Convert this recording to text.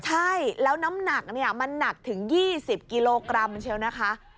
ใช่แล้วน้ำหนักเนี้ยมันหนักถึงยี่สิบกิโลกรัมเชียวนะคะ